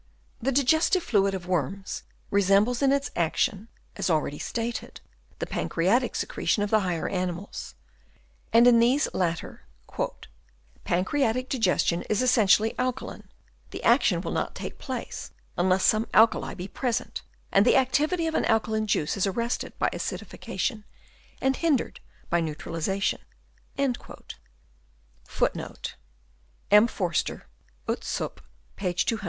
The digestive fluid of worms resembles in its action, as already stated, the pancreatic secretion of the higher animals ; and in these latter, " pancreatic digestion is essentially "alkaline; the action will not take place " unless some alkali be present ; and the " activity of an alkaline juice is arrested by " acidification, and hindered by neutraliza Chap. I. CALCIFEROUS GLANDS.